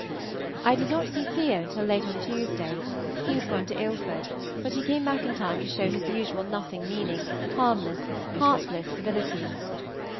I did not see Theo. till late on Tuesday; he was gone to Ilford, but he came back in time to show his usual nothing meaning, harmless, heartless civility.